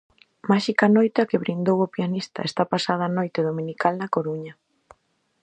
Máxica noite a que brindou o pianista esta pasada noite dominical na Coruña.